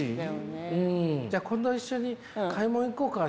じゃあ今度一緒に買い物行こうかしら。